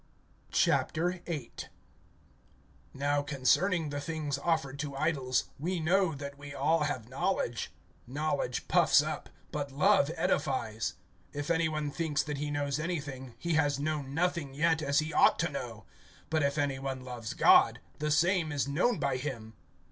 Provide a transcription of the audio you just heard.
VIII. NOW concerning the things offered to idols, we know that we all have knowledge. Knowledge puffs up, but love edifies. (2)If any one thinks that he knows anything, he has known nothing yet as he ought to know. (3)But if any one loves God, the same is known by him.